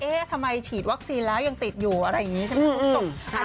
เอ๊ะทำไมฉีดวัคซีนแล้วยังติดอยู่อะไรอย่างนี้ใช่ไหมครับ